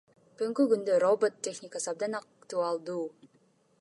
Бүгүнкү күндө робот техникасы абдан актуалдуу.